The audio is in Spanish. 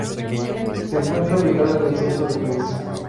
Se encuentra ubicada en el centro del país.